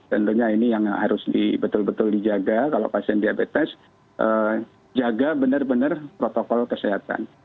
tentunya ini yang harus betul betul dijaga kalau pasien diabetes jaga benar benar protokol kesehatan